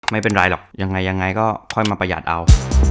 ไม่เป็นไรหรอกยังไงยังไงก็ค่อยมาประหยัดเอา